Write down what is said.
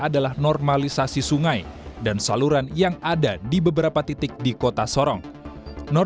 supaya tidak menghalangi aliran air yang akan lewat di sini